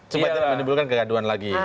sebetulnya menimbulkan kegaduan lagi